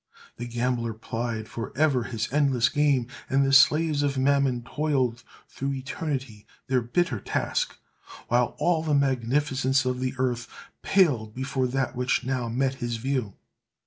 The gambler plied for ever his endless game, and the slaves of Mammon toiled through eternity their bitter task; while all the magnificence of earth paled before that which now met his view!"